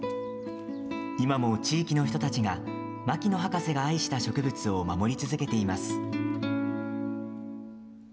今も地域の人たちが牧野博士が愛した植物を守り続けています。